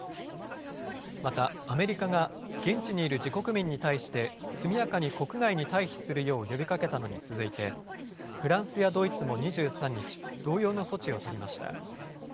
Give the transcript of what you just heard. またアメリカが現地にいる自国民に対して速やかに国外に退避するよう呼びかけたのに続いてフランスやドイツも２３日、同様の措置を取りました。